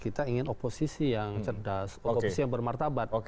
kita ingin oposisi yang cerdas oposisi yang bermartabat